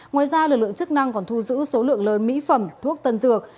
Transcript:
ngoài ra lực lượng chức năng còn thu giữ số lượng lớn mỹ phẩm thuốc tân dược